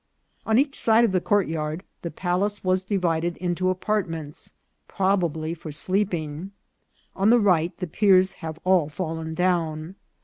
On each side of the courtyard the palace was divided into apartments, probably for sleeping. On the right the piers have all fallen down.